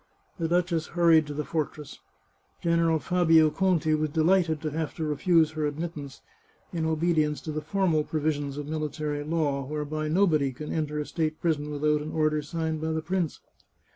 The duchess hurried to the fortress. General Fabio Conti was delighted to have to refuse her admittance, in obedience to the formal provisions of military law, whereby no one can enter a state prison without an order signed by the prince.